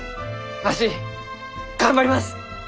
わし頑張ります！